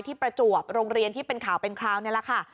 ประจวบโรงเรียนที่เป็นข่าวเป็นคราวนี่แหละค่ะ